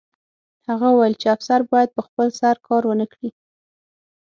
هغه وویل چې افسر باید په خپل سر کار ونه کړي